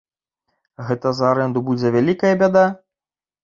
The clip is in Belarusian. Гэта за арэнду будзе вялікая бяда?